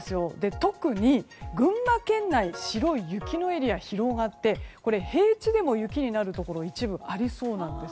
特に群馬県内に白い雪のエリアが広がって平地でも雪になるところ一部ありそうなんです。